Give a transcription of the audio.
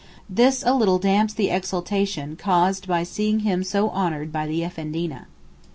This a little damps the exultation caused by seeing him so honoured by the Effendina.